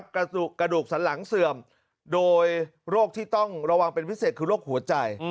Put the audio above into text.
กระดูกสันหลังเสื่อมโดยโรคที่ต้องระวังเป็นพิเศษคือโรคหัวใจ